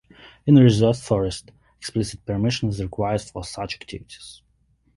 In reserved forests, explicit permission is required for such activities.